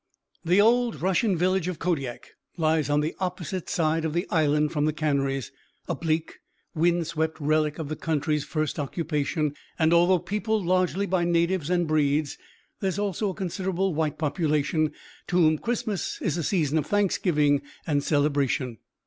The old Russian village of Kodiak lies on the opposite side of the island from the canneries, a bleak, wind swept relic of the country's first occupation, and although peopled largely by natives and breeds, there is also a considerable white population, to whom Christmas is a season of thanksgiving and celebration.